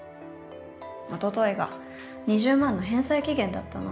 おとといが２０万の返済期限だったの。